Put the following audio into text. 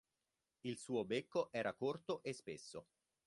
Il suo becco era corto e spesso.